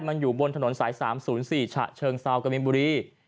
มันอยู่บนถนนสาย๓๐๔ฉะเชิงเซากมินบุรี